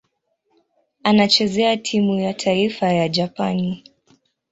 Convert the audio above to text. Anachezea timu ya taifa ya Japani.